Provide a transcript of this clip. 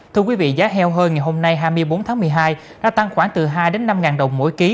thưa quý vị giá heo hơi ngày hôm nay hai mươi bốn tháng một mươi hai đã tăng khoảng từ hai năm đồng mỗi ký